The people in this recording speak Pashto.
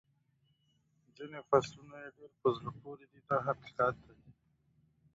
ځینې فصلونه یې ډېر په زړه پورې دي دا حقیقت دی.